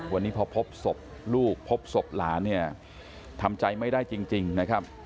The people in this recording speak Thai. วันนี้พอพบศพลูกพบศพหลานเนี่ยทำใจไม่ได้จริงนะครับ